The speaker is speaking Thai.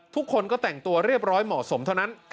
ทุกคนก็แต่งตัวเรียบร้อยเหมาะสมเท่านั้น